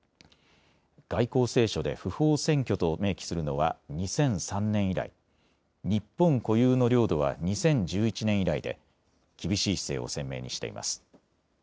外交青書で不法占拠と明記するのは２００３年以来、日本固有の領土は２０１１年以来で厳しい姿勢を鮮明にしています。